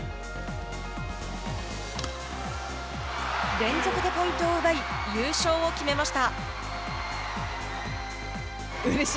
連続でポイントを奪い優勝を決めました。